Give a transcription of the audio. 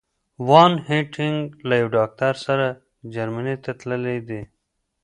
وان هینټیګ له یو ډاکټر سره جرمني ته تللي دي.